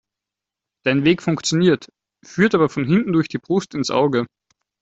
Dein Weg funktioniert, führt aber von hinten durch die Brust ins Auge.